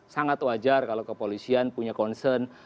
sangat wajar kalau kepolisian punya concern